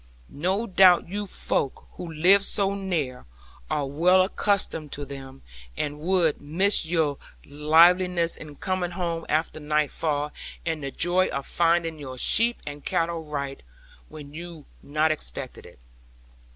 No doubt you folk, who live so near, are well accustomed to them, and would miss your liveliness in coming home after nightfall, and the joy of finding your sheep and cattle right, when you not expected it.